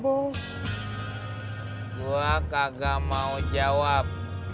bus gue kagak mau jawab